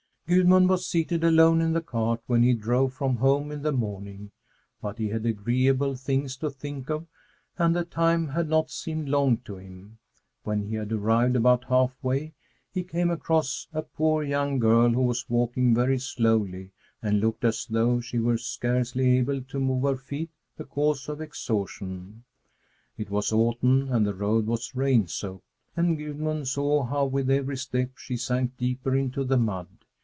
Gudmund was seated alone in the cart when he drove from home in the morning, but he had agreeable things to think of and the time had not seemed long to him. When he had arrived about half way, he came across a poor young girl who was walking very slowly and looked as though she were scarcely able to move her feet because of exhaustion. It was autumn and the road was rain soaked, and Gudmund saw how, with every step, she sank deeper into the mud.